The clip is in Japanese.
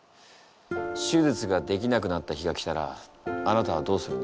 手術ができなくなった日が来たらあなたはどうするんだ？